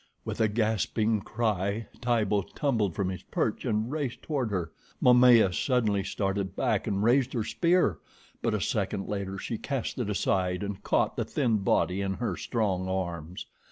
With a gasping cry, Tibo tumbled from his perch and raced toward her. Momaya suddenly started back and raised her spear, but a second later she cast it aside and caught the thin body in her strong arms.